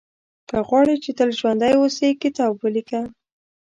• که غواړې چې تل ژوندی اوسې، کتاب ولیکه.